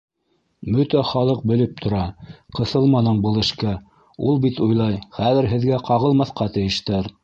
Бөтә халыҡ белеп тора: Ҡыҫылманың был эшкә, Ул бит уйлай: хәҙер һеҙгә Ҡағылмаҫҡа тейештәр.